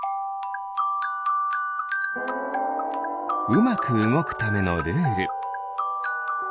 うまくうごくためのルール。